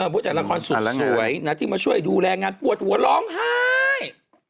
ผู้จัดละครสุดสวยนะที่มาช่วยดูแลงานปวดหัวร้องไห้